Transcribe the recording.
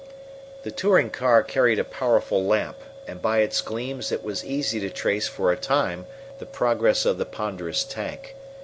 The touring car carried a powerful lamp, and by its gleams it was easy to trace for a time the progress of the ponderous tank.